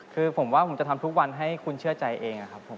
คือผมว่าผมจะทำทุกวันให้คุณเชื่อใจเองครับผม